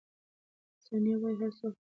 ثانیه وايي، هر څوک خپل نظر لري.